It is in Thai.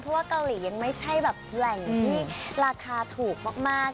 เพราะว่าเกาหลียังไม่ใช่แบบแหล่งที่ราคาถูกมาก